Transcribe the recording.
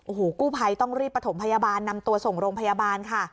โอ้โหกู้ภัยต้องรีบประถมพยาบาลนำตัวส่งโรงพยาบาลค่ะ